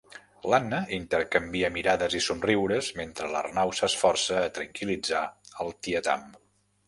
L'Anna intercanvia mirades i somriures mentre l'Arnau s'esforça a tranquil·litzar el tietam.